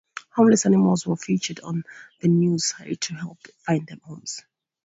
Homeless animals were featured on the news site to help find them homes.